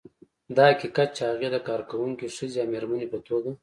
دا حقیقت چې هغې د کارکونکې ښځې او مېرمنې په توګه